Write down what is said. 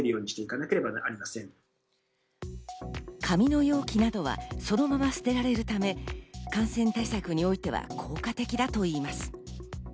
紙の容器などは、そのまま捨てられるため、感染対策においては効果的だといいます。